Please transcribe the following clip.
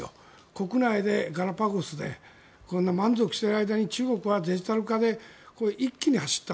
国内でガラパゴスで満足している間に中国はデジタル化で一気に走った。